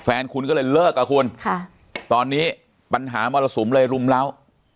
แฟนคุณก็เลยเลิกกับคุณค่ะตอนนี้ปัญหามรสุมเลยรุมเล้า